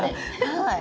はい。